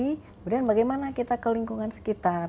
kemudian bagaimana kita ke lingkungan sekitar